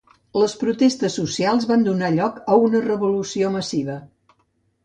Les protestes socials van donar lloc a una revolució massiva.